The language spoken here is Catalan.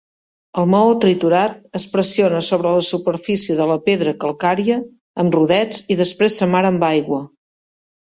El maó triturat es pressiona sobre la superfície de la pedra calcària amb rodets, i després s'amara amb aigua.